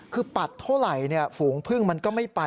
คือปัดเท่าไหร่ฝูงพึ่งมันก็ไม่ไป